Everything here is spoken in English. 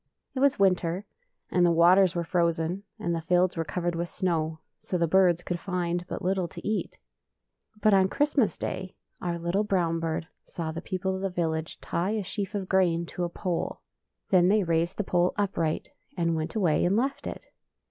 It was winter, and the waters were frozen, and the fields were covered with snow, so the birds could find but little to eat. But on Christmas day our little brown bird saw the people of the village tie a sheaf of gi'ain to a pole. Then they raised the pole upright, and went away and left it.